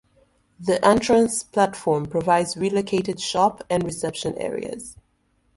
The entrance platform provides re-located shop and reception areas.